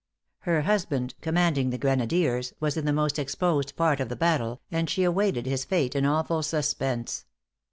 Her husband, commanding the grenadiers, was in the most exposed part of the battle, and she awaited his fate in awful suspense.